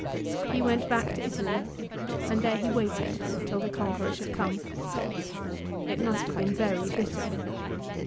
He went back to Italy, and there he waited till the conqueror should come. It must have been very bitter.